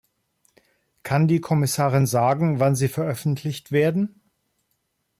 Kann die Kommissarin sagen, wann sie veröffentlicht werden?